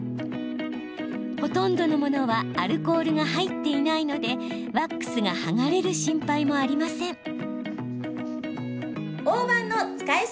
ほとんどものはアルコールが入っていないのでワックスが剥がれる心配もありません。